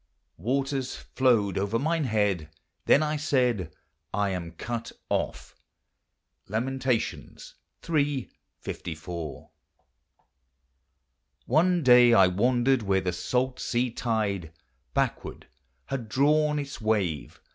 "Waters flowed over mine head ; then I said, I am cut off."— Lamentations iii. 54. One day 1 wandered where the salt sea tide Backward had drawn its wave.